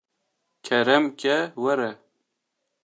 kerem ke were